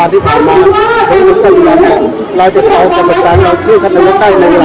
อันที่สุดท้ายก็คืออันที่สุดท้ายก็คืออันที่สุดท้ายก็คืออั